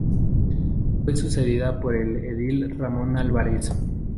Fue sucedida por el edil Ramón Álvarez.